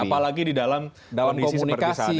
apalagi di dalam komunikasi